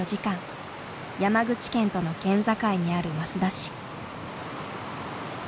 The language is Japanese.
山口県との県境にある益田市。